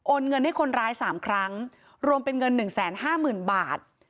เงินให้คนร้าย๓ครั้งรวมเป็นเงิน๑๕๐๐๐บาท